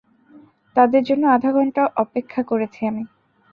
তাদের জন্য আধা ঘন্টা অপেক্ষা করেছি আমি।